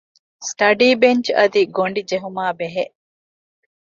ސްޓަޑީ ބެންޗް އަދި ގޮޑި ޖެހުމާއި ބެހޭ